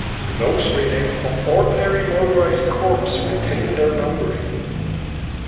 Those renamed from ordinary motorised corps retained their numbering.